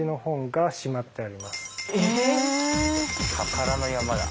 宝の山だ。